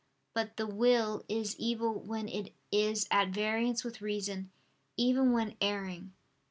But the will is evil when it is at variance with reason, even when erring.